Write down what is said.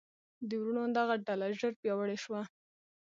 د وروڼو دغه ډله ژر پیاوړې شوه.